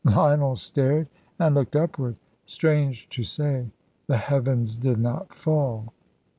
Lionel stared, and looked upward. Strange to say the heavens did not fall.